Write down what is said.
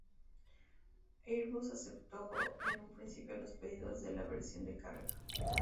Airbus aceptó en un principio los pedidos de la versión de carga.